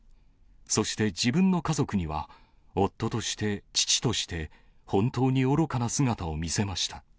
そして自分の家族には、夫として、父として、本当に愚かな姿を見せました。